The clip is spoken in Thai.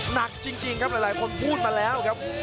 หนักจริงครับหลายคนพูดมาแล้วครับ